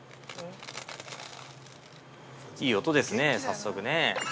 いい音ですね、早速ね。